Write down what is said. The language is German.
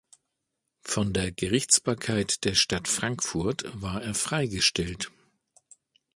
Von der Gerichtsbarkeit der Stadt Frankfurt war er freigestellt.